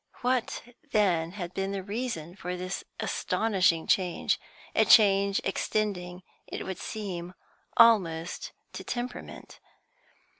What, then, had been the reason for this astonishing change, a change extending, it would seem, almost to temperament?